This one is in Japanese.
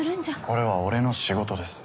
これは俺の仕事です。